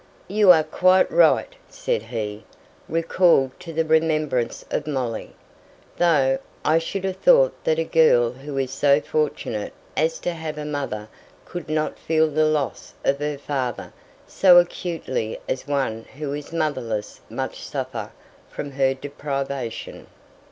"You are quite right," said he, recalled to the remembrance of Molly; "though I should have thought that a girl who is so fortunate as to have a mother could not feel the loss of her father so acutely as one who is motherless must suffer from her deprivation."